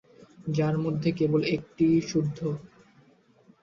যার মধ্যে কেবল একটি শুদ্ধ।